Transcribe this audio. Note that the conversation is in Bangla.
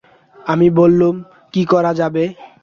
আমি বললুম, কী করা যাবে?